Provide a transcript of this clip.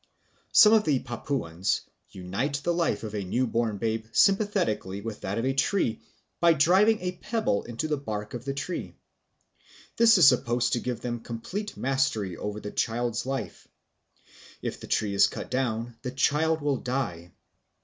Some of the Papuans unite the life of a new born babe sympathetically with that of a tree by driving a pebble into the bark of the tree. This is supposed to give them complete mastery over the child's life; if the tree is cut down, the child will die.